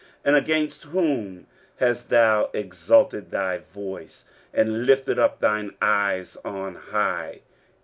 and against whom hast thou exalted thy voice, and lifted up thine eyes on high?